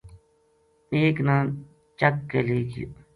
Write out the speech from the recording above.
ایک نا چک کے لے گیو